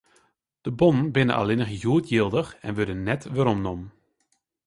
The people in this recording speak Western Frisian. De bonnen binne allinnich hjoed jildich en wurde net weromnommen.